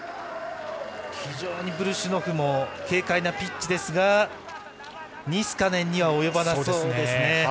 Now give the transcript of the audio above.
非常にブルシュノフも軽快なピッチですがニスカネンには及ばなそうですね。